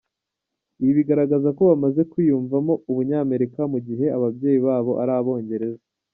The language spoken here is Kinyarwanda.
Ibi bigaragaza ko bamaze kwiyumvamo Ubunyamerika mu gihe ababyeyi babo ari Abongereza.